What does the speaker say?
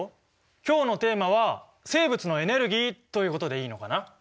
今日のテーマは「生物のエネルギー」ということでいいのかな？